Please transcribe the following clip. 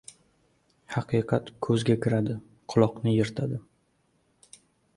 Haqiqat koʻzga kiradi, quloqni yirtadi.